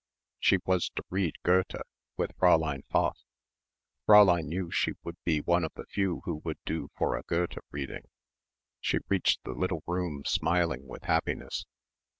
She was to read Goethe ... with Fräulein Pfaff.... Fräulein knew she would be one of the few who would do for a Goethe reading. She reached the little room smiling with happiness.